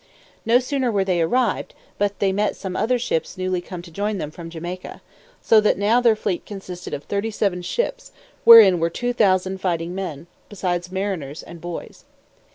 No sooner were they arrived, but they met some other ships newly come to join them from Jamaica; so that now their fleet consisted of thirty seven ships, wherein were two thousand fighting men, beside mariners and boys.